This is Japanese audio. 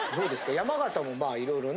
山形もまあいろいろね。